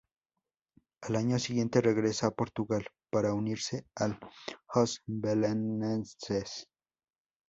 Al año siguiente regresa a Portugal para unirse al Os Belenenses.